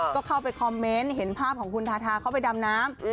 ก็เข้าไปคอมเมนต์เห็นภาพของคุณทาทาเข้าไปดำน้ำ